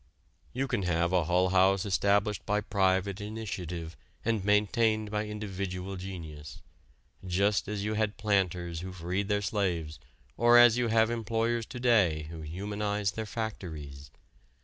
You can have a Hull House established by private initiative and maintained by individual genius, just as you had planters who freed their slaves or as you have employers to day who humanize their factories.